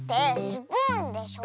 スプーンでしょ。